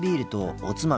おつまみ。